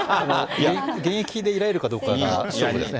現役でいられるかどうか勝負ですね。